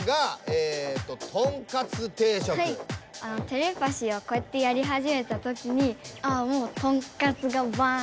テレパシーをこうやってやりはじめたときにああもうとんかつがバーンと。